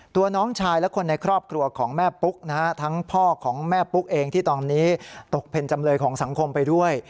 น้องชายและคนในครอบครัวของแม่ปุ๊กนะฮะทั้งพ่อของแม่ปุ๊กเองที่ตอนนี้ตกเป็นจำเลยของสังคมไปด้วย